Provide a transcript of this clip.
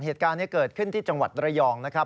เหตุการณ์นี้เกิดขึ้นที่จังหวัดระยองนะครับ